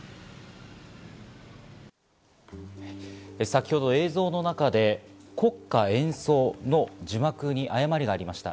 先ほど映像の中で、国歌演奏の字幕に誤りがりました。